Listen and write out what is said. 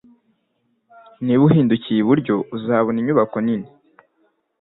Niba uhindukiye iburyo, uzabona inyubako nini.